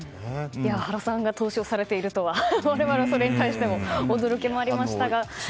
原さんが投資をされているとはそれに対して我々も驚きもありましたが。